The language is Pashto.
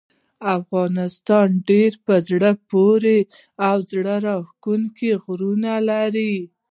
افغانستان ډیر په زړه پورې او زړه راښکونکي غرونه لري.